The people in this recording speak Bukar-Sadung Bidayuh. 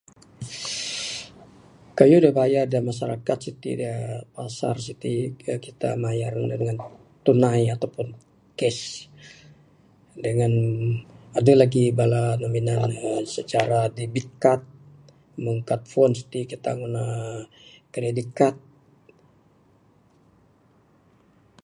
Kayuh da bayar masyarakat siti da pasar siti kaik kita mayar minan tunai ato pun cash dangan adeh lagih bala ne minan ne secara debit card meng card phone siti kita ngunah kredit kad.